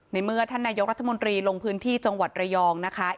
เมื่อท่านนายกรัฐมนตรีลงพื้นที่จังหวัดระยองนะคะ